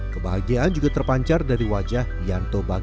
kebahagiaan juga terpancar dari wajah yanto